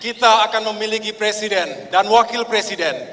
kita akan memiliki presiden dan wakil presiden